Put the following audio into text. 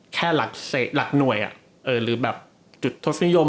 แค่หลักหน่วย